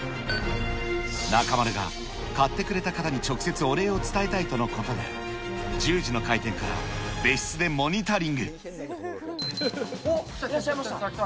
中丸が買ってくれた方に直接お礼を伝えたいとのことで、１０時のおっ、いらっしゃいました。